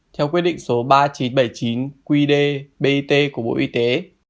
theo quyết định số ba nghìn chín trăm bảy mươi chín qd bit của bộ y tế